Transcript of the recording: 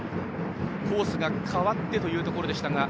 コースが変わってというところでしたが。